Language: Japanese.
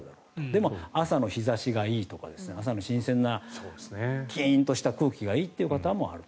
でも、朝の日差しがいいとか朝の新鮮なキーンとした空気がいいという方もいる。